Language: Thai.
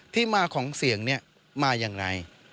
ที่มาของเสียงเนี่ยมาอย่างไร